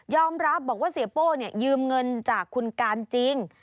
รับบอกว่าเสียโป้ยืมเงินจากคุณการจริง